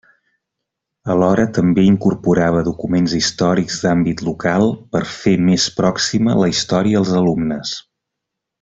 Alhora, també incorporava documents històrics d'àmbit local, per fer més pròxima la història als alumnes.